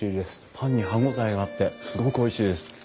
パンに歯応えがあってすごくおいしいです。